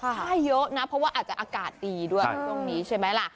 ใช่เยอะนะเพราะว่าอาจจะอากาศดีด้วยช่วงนี้ใช่ไหมล่ะ